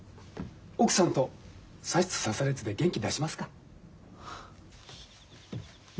奥さんと差しつ差されつで元気出しますか。